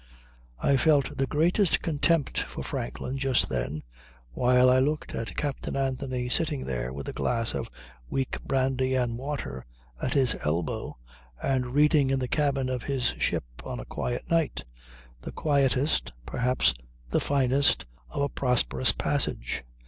I felt the greatest contempt for Franklin just then, while I looked at Captain Anthony sitting there with a glass of weak brandy and water at his elbow and reading in the cabin of his ship, on a quiet night the quietest, perhaps the finest, of a prosperous passage.